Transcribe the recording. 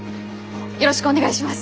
よろしくお願いします！